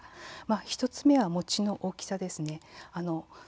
１つ目は餅の大きさです。